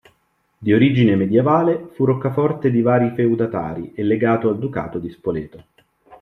Di origine medievale, fu roccaforte di vari feudatari e legato al Ducato di Spoleto.